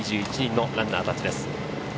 ２１人のランナーたちです。